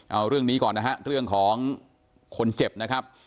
เอาเรื่องนี้ก่อนนะฮะเรื่องของคนเจ็บนะครับ